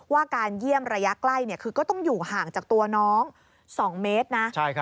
การเยี่ยมระยะใกล้คือก็ต้องอยู่ห่างจากตัวน้อง๒เมตรนะ